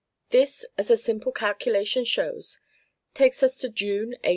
This, as a simple calculation shows, takes us to June, 18